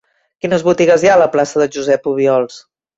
Quines botigues hi ha a la plaça de Josep Obiols?